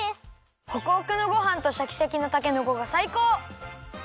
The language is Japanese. ホクホクのごはんとシャキシャキのたけのこがさいこう！